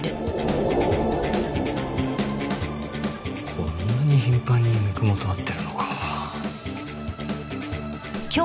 こんなに頻繁に三雲と会ってるのか。